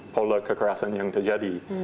pola kekerasan yang terjadi